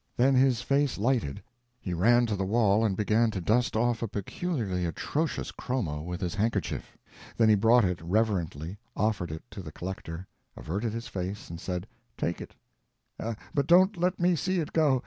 Then his face lighted; he ran to the wall and began to dust off a peculiarly atrocious chromo with his handkerchief. Then he brought it reverently, offered it to the collector, averted his face and said: "Take it, but don't let me see it go.